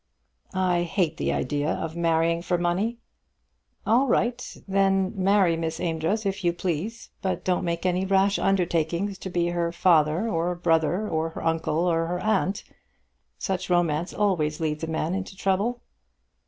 "I hate the idea of marrying for money." "All right. Then marry Miss Amedroz if you please. But don't make any rash undertakings to be her father, or her brother, or her uncle, or her aunt. Such romance always leads a man into trouble."